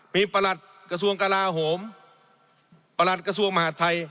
มีประหลัดกระทรวงกลาโหมประหลัดกระทรวงมหาดไทย